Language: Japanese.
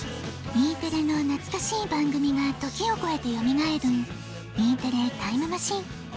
Ｅテレのなつかしい番組が時をこえてよみがえるＥテレタイムマシン。